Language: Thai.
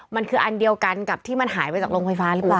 มันคืออันเดียวกันกับที่มันหายไปจากโรงไฟฟ้าหรือเปล่า